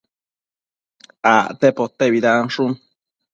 acte potebidanshun